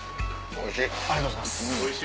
おいしい。